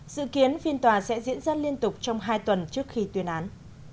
dự kiến phiên tòa sẽ diễn ra liên tục trong hai tuần trước khi tuyên án